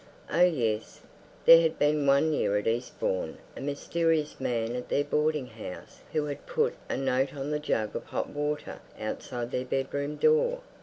Oh yes, there had been one year at Eastbourne a mysterious man at their boarding house who had put a note on the jug of hot water outside their bedroom door!